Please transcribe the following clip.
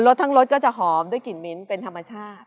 สทั้งรสก็จะหอมด้วยกลิ่นมิ้นเป็นธรรมชาติ